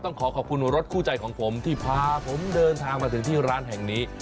ขอขอบคุณรถคู่ใจของผมที่พาผมเดินทางมาถึงที่ร้านแห่งนี้